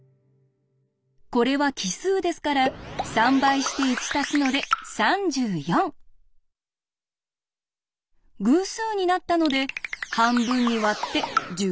これは奇数ですから３倍して１たすので偶数になったので半分に割って１７。